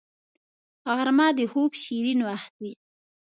غرمه د خوب شیرین وخت وي